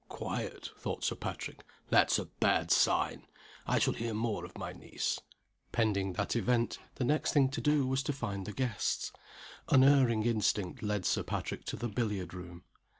"Quiet?" thought Sir Patrick. "That's a bad sign. I shall hear more of my niece." Pending that event, the next thing to do was to find the guests. Unerring instinct led Sir Patrick to the billiard room.